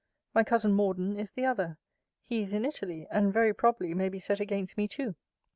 My cousin Morden is the other he is in Italy, and very probably may be set against me too.